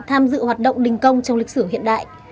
tham dự hoạt động đình công trong lịch sử hiện đại